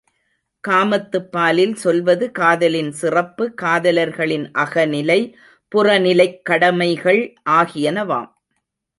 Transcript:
காமத்துப் பாலில் சொல்வது காதலின் சிறப்பு காதலர்களின் அகநிலை, புறநிலைக் கடமைகள் ஆகியனவாம்!